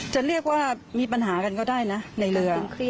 จะเรียกว่ามีปัญหากันก็ได้นะในเรือ